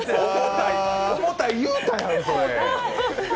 重たい言うたやん、それ。